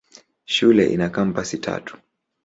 Shule ina kampasi tatu.